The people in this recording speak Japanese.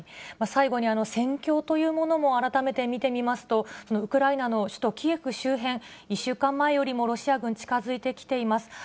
最後に、戦況というものも改めて見てみますと、ウクライナの首都キエフ周辺、１週間前よりもロシア軍、近づいてきています。